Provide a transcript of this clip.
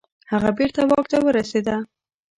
هغه بیرته واک ته ورسیده.